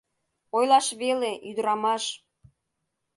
Ойлаш веле — ӱдырамаш!